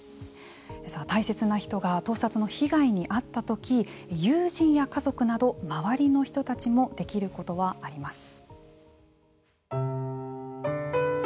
大切な人が盗撮の被害に遭ったとき友人や家族など周りの人たちもできることはあります。